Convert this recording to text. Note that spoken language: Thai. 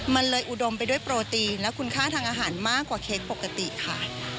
มันเลยอุดมไปด้วยโปรตีนและคุณค่าทางอาหารมากกว่าเค้กปกติค่ะ